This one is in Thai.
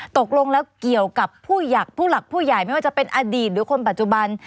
ตกลงแล้วเกี่ยวกับผู้หลักผู้ใหญ่ไม่ว่าจะเป็นอดีตหรือคนปัจจุบัน